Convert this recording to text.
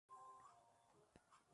Habita en Bután, Nepal y la India.